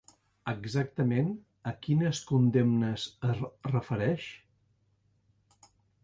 Exactament a quines condemnes es refereix?